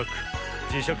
じしゃく